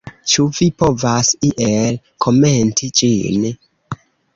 Ĉu vi povas iel komenti ĝin?